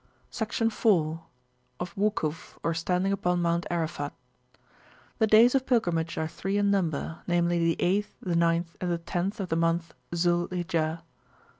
Section IV.Of Wukuf, or standing upon Mount Arafat. The days of pilgrimage are three in number: namely, the 8th, the 9th, and the 10th of the month Zul Hijjah.